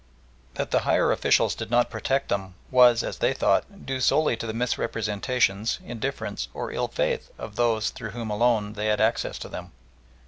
That the higher officials did not protect them was, as they thought, due solely to the misrepresentations, indifference, or ill faith of those through whom alone they had access to them.